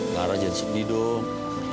lara jangan sedih dong